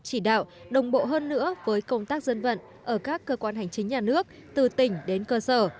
chỉ đạo đồng bộ hơn nữa với công tác dân vận ở các cơ quan hành chính nhà nước từ tỉnh đến cơ sở